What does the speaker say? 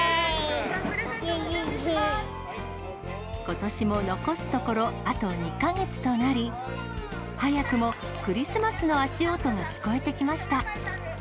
ことしも残すところあと２か月となり、早くもクリスマスの足音が聞こえてきました。